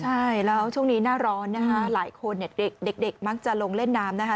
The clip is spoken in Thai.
ใช่แล้วช่วงนี้หน้าร้อนนะคะหลายคนเนี่ยเด็กมักจะลงเล่นน้ำนะคะ